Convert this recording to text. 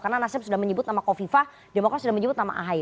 karena nasib sudah menyebut nama kofifa demokrasi sudah menyebut nama ahi